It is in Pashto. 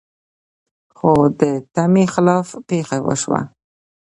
خو د تمې خلاف پېښه وشوه.